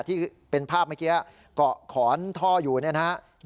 ที่เป็นภาพเมื่อกี้เกาะขอนท่ออยู่นะฮะ